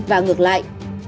và ngược lại